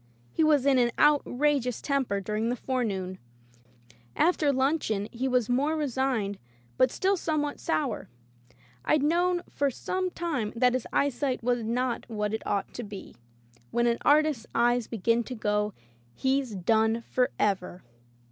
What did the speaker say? He was in an outrageous temper during the forenoon. After luncheon he was more re signed but still somewhat sour. Fd known for some time that his eyesight was not what it ought to be. When an artist's eyes begin to go, he's done forever.